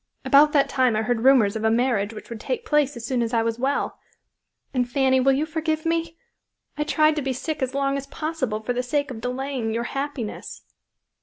About that time I heard rumors of a marriage which would take place as soon as I was well; and Fanny will you forgive me? I tried to be sick as long as possible for the sake of delaying your happiness."